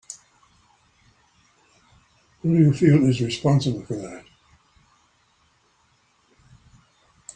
Who do you feel is responsible for that?